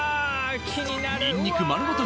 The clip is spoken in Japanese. ニンニク丸ごと